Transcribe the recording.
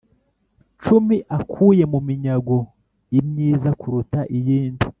cumi akuye mu minyago l myiza kuruta iyindi